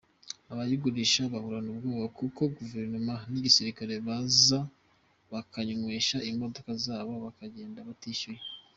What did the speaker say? Abayigurisha bahorana ubwoba kuko Guverinoma n’igisirikare baza bakanywesha imodoka zabo bakagenda batishyuye.